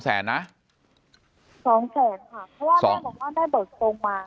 ๒แสนเพราะว่าแม่บอกว่าว่าแม่เบิกตรงมา